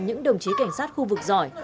những đồng chí cảnh sát khu vực giỏi